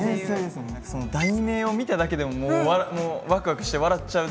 題名を見ただけでももうワクワクして笑っちゃう。